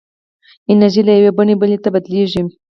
انرژي له یوې بڼې بلې ته بدلېږي.